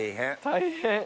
大変。